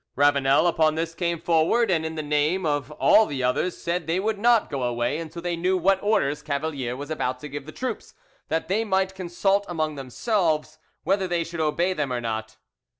Ravanel upon this came forward, and in the name of all the others said they would not go away until they knew what orders Cavalier was about to give the troops, that they might consult among themselves whether they should obey them or not.